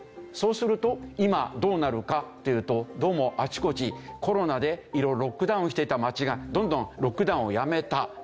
そうすると今どうなるかっていうとどうもあちこちコロナでロックダウンしていた街がどんどんロックダウンをやめた。